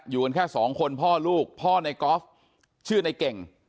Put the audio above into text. อยู่กันแค่สองคนพ่อลูกพ่อในกอล์ฟชื่อในเก่ง